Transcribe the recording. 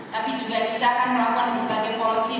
tapi juga kita akan melakukan berbagai policy